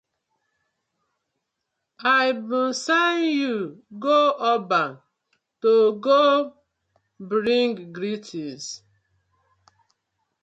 I been sen yu go Oban to go bring greetins.